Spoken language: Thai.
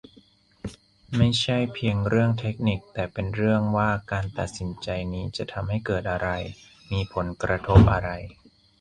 ไม่ใช่เพียงเรื่องเทคนิค แต่เป็นเรื่องว่าการตัดสินใจนี้จะทำให้เกิดอะไร มีผลกระทบอะไร